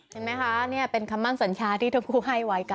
เห็นไหมคะนี่เป็นคำมั่นสัญญาที่ทั้งคู่ให้ไว้กัน